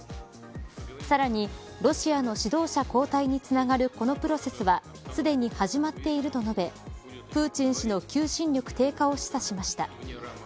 さらに、ロシアの指導者交代につながるこのプロセスはすでに始まっていると述べプーチン氏の求心力低下を示唆しました。